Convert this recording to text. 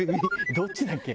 どっちだっけ？